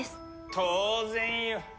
当然よ。